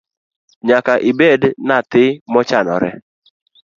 Nyaka ibed nyathi mo chanore.